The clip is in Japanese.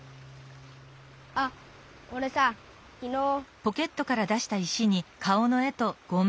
あおれさきのう。